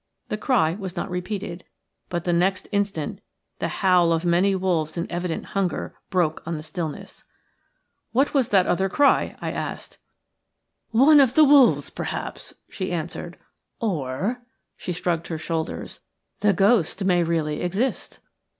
The cry was not repeated, but the next instant the howl of many wolves in evident hunger broke on the stillness. "What was that other cry?" I asked. "One of the wolves, perhaps," she answered, "or "– she shrugged her shoulders – "the ghost may really exist."